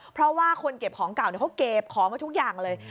เพราะว่าคนเก็บของเก่าเขาเก็บของมาทุกอย่างเลย